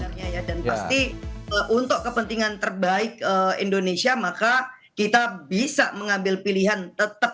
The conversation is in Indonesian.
dan pasti untuk kepentingan terbaik indonesia maka kita bisa mengambil pilihan tetap